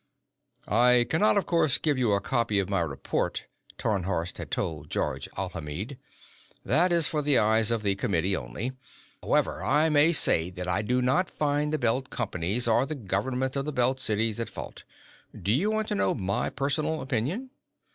"I cannot, of course, give you a copy of my report," Tarnhorst had told Georges Alhamid. "That is for the eyes of the Committee only. However, I may say that I do not find the Belt Companies or the governments of the Belt Cities at fault. Do you want to know my personal opinion?"